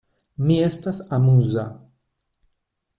Mi estas amuza.